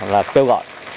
là kêu gọi